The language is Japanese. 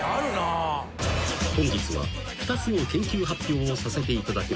［本日は２つの研究発表をさせていただきます］